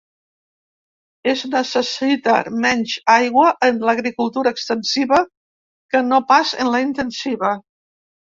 Es necessita menys aigua en l'agricultura extensiva que no pas en la intensiva.